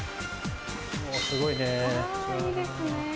すごいねぇ。